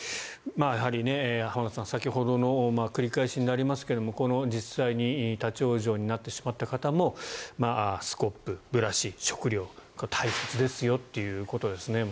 浜田さん、先ほどの繰り返しになりますが実際に立ち往生になってしまった方もスコップ、ブラシ食料大切ですよということですよね。